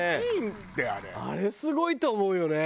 あれすごいと思うよね。